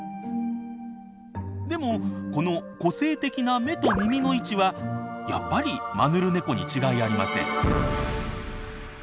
でもこの個性的な目と耳の位置はやっぱりマヌルネコに違いありません。